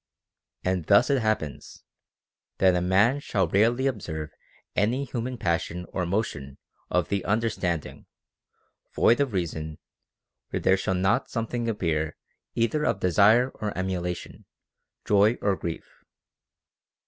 And thus it happens, that a man shall rarely observe any hu man passion or motion of the understanding, void of reason, where there shall not something appear either of desire or emulation, joy or grief.